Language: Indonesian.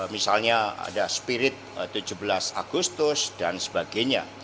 misalnya ada spirit tujuh belas agustus dan sebagainya